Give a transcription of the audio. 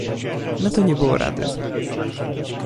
Na to nie było rady.